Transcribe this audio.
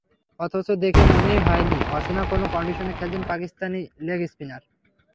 অথচ দেখে মনেই হয়নি, অচেনা কোনো কন্ডিশনে খেলছেন পাকিস্তানি লেগ স্পিনার।